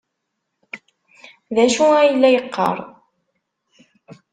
D acu ay la yeqqar?